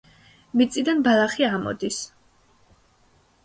მიწიდან ბალახი ამოდის.